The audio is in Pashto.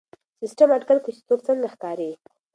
سیسټم اټکل کوي چې څوک څنګه ښکاري.